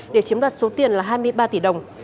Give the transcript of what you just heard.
để chiếm đoạt số tiền là hai mươi ba tỷ đồng